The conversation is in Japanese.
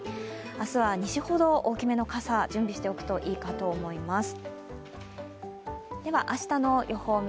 明日は西ほど大きめの傘、準備しておくといいかと思います。